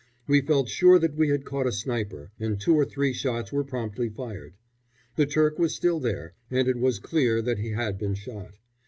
We felt sure that we had caught a sniper, and two or three shots were promptly fired. The Turk was still there, and it was clear that he had been shot.